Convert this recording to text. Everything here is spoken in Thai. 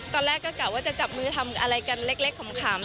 ตอนแรกก็กะว่าจะจับมือทำอะไรกันเล็กขำ